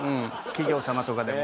企業様とかでも。